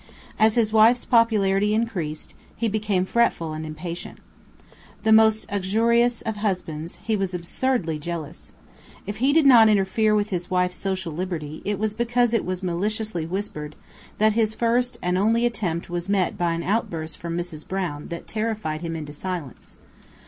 As his wife's popularity increased, he became fretful and impatient. The most uxorious of husbands, he was absurdly jealous. If he did not interfere with his wife's social liberty, it was because it was maliciously whispered that his first and only attempt was met by an outburst from Mrs. Brown that terrified him into silence.